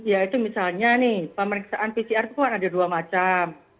yaitu misalnya nih pemeriksaan pcr itu kan ada dua macam